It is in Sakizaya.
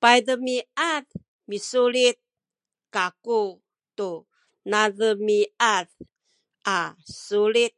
paydemiad misulit kaku tu nademiad a sulit